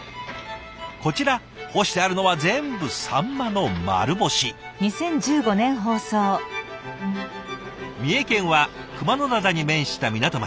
こちら干してあるのは全部三重県は熊野灘に面した港町。